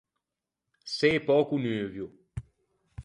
Çê pöco nuvio.